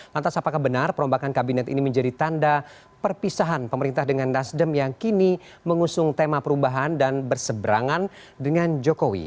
lantas apakah benar perombakan kabinet ini menjadi tanda perpisahan pemerintah dengan nasdem yang kini mengusung tema perubahan dan berseberangan dengan jokowi